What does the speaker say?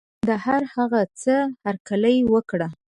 د هر هغه څه هرکلی وکړه.